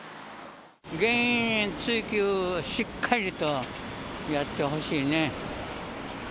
原因追及をしっかりとやってほしいね。